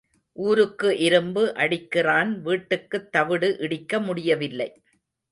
ஊருக்கு இரும்பு அடிக்கிறான் வீட்டுக்குத் தவிடு இடிக்க முடியவில்லை.